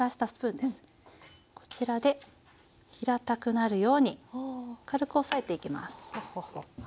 こちらで平たくなるように軽く押さえていきます。